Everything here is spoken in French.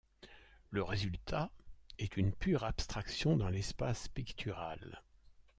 Le résultat est une pure abstraction dans l'espace pictural.